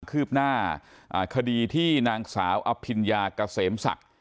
คืบหน้าคดีที่นางสาวอปิญญากาเสมสัก